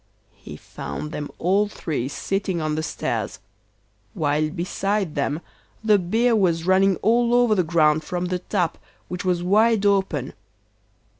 He found them all three sitting on the stairs, while beside them the beer was running all over the ground from the tap, which was wide open.